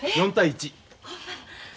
４対１。